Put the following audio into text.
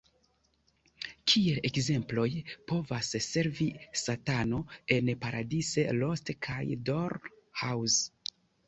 Kiel ekzemploj povas servi Satano en "Paradise Lost" kaj Dr. House.